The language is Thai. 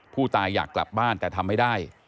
ผู้ตายอยากกลับบ้านแต่ทำไม่ได้